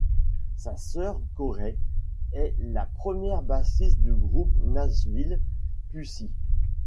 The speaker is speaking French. Sa sœur Corey est la première bassiste du groupe Nashville Pussy.